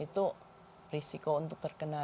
itu risiko untuk terkena